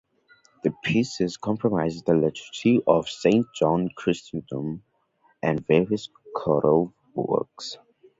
The piece comprises the Liturgy of Saint John Chrysostom and various choral works.